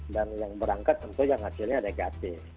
yang berangkat tentu yang hasilnya negatif